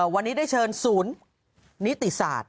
วันนี้ได้เชิญศูนย์นิติศาสตร์